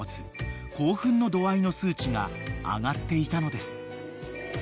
「興奮の度合い」の数値が上がっていたのです］